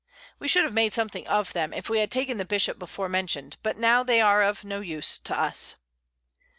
We should have made something of them, if we had taken the Bishop before mentioned; but now they are of no use to us.